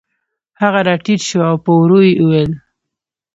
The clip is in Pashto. هغه راټیټ شو او په ورو یې وویل